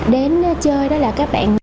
đến chơi đó là các bạn